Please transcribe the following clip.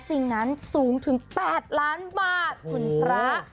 สูงถึง๘ล้านบาทคุณพระ